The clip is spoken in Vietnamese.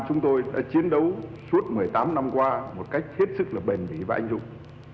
chúng tôi đã chiến đấu suốt một mươi tám năm qua một cách hết sức là bền bỉ và anh dũng